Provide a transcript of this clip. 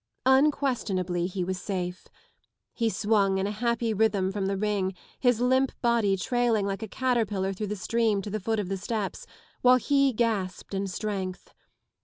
Unquestionably he was safe. He swung in a happy rhythm from the ring, his limp body trailing like a caterpillar through the stream to the foot of the "steps, while he gasped in strength.